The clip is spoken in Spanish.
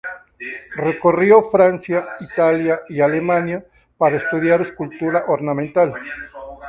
Recorrió Francia, Italia y Alemania para estudiar Escultura Ornamental.